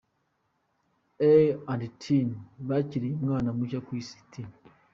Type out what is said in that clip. I &Tiny bakiriye umwana mushya ku Isi, T.